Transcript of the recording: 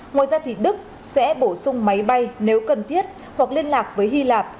ngoài ra đức sẽ bổ sung máy bay nếu cần thiết hoặc liên lạc với hy lạp